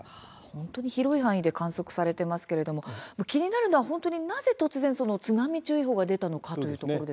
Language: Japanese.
本当に広い範囲で観測されていますけれども気になるのは本当になぜそんなにいきなり津波注意報が出たのでしょうか？